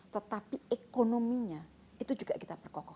tetapi ekonominya itu juga kita perkokoh